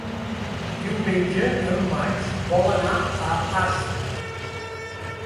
Diumenge en Max vol anar a Asp.